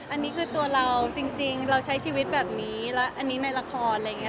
อันนี้คือตัวเราจริงเราใช้ชีวิตแบบนี้และอันนี้ในละครอะไรอย่างนี้